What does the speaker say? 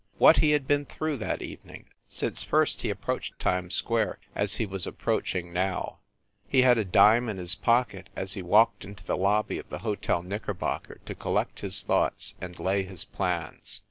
What he had been through that evening, since first he approached Times Square, as he was approaching now ! He had a dime in his pocket as he walked into the lobby of the Hotel Knickerbocker to collect his thoughts and lay his plans.